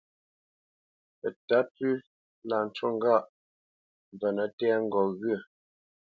Pətǎ pʉ láʼ ncú ŋgâʼ : mvənə tɛ́ ŋgot ghyə̂.